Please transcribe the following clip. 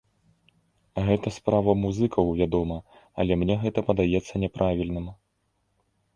Гэта справа музыкаў, вядома, але мне гэта падаецца няправільным.